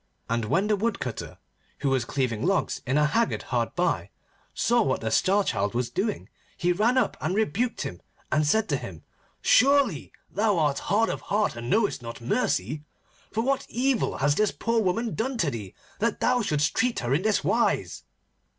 And when the Woodcutter, who was cleaving logs in a haggard hard by, saw what the Star Child was doing, he ran up and rebuked him, and said to him: 'Surely thou art hard of heart and knowest not mercy, for what evil has this poor woman done to thee that thou shouldst treat her in this wise?